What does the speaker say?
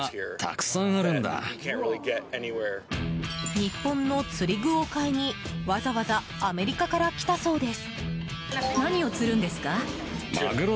日本の釣り具を買いにわざわざアメリカから来たそうです。